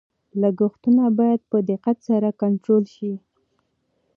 لګښتونه باید په دقت سره کنټرول شي.